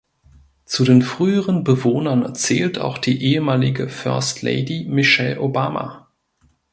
Zu den früheren Bewohnern zählt auch die ehemalige First Lady Michelle Obama.